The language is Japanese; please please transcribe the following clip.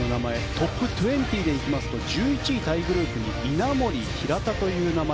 トップ２０でいきますと１１位タイグループに稲森、平田という名前。